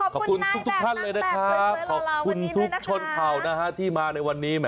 ขอบคุณทุกท่านเลยนะครับขอบคุณทุกชนเผ่านะฮะที่มาในวันนี้